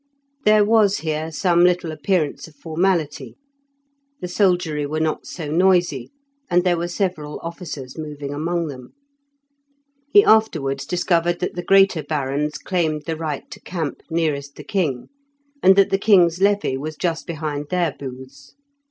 There was here some little appearance of formality; the soldiery were not so noisy, and there were several officers moving among them. He afterwards discovered that the greater barons claimed the right to camp nearest the king, and that the king's levy was just behind their booths.